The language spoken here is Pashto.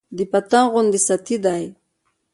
د پتنګ غوندې ستي دى